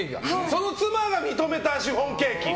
その妻が認めたシフォンケーキ。